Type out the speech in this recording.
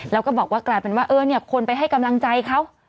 เราก็บอกว่ากลายเป็นว่าเออเนี่ยคนไปให้กำลังใจเขา